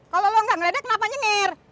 kalau lo gak ngeredek kenapa nyengir